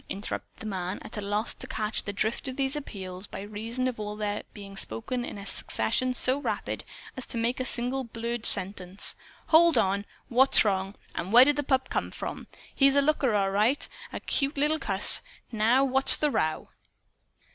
interrupted the man, at a loss to catch the drift of these appeals, by reason of their all being spoken in a succession so rapid as to make a single blurred sentence. "Hold on! What's wrong? And where did the pup come from? He's a looker, all right a cute little cuss. What's the row?"